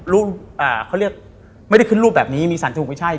รูปอ่าเขาเรียกไม่ได้ขึ้นรูปแบบนี้มีสันเทพุงไม่ใช่